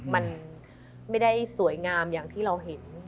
มันไม่ได้สวยงามอย่างที่เราเห็น